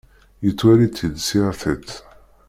Yettwali-tt-id s yir tiṭ.